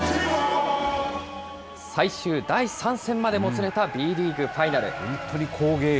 最終第３戦までもつれたＢリーグファイナル。